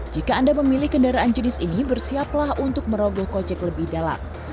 jika anda memilih kendaraan jenis ini bersiaplah untuk merogoh kocek lebih dalam